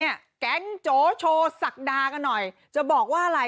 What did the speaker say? แก๊งโจโชว์ศักดากันหน่อยจะบอกว่าอะไร